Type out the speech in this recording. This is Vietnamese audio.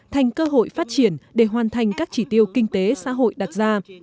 thành cơ hội phát triển để hoàn thành các chỉ tiêu kinh tế xã hội đặt ra